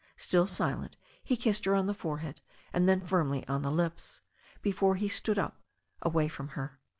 Still silent, he kissed her on the forehead and then firmly on her lips, before he stood up away from her.